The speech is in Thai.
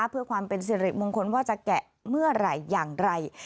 เพื่อความเป็นสิริมงคลว่าจะแกะเมื่อไหร่อย่างไร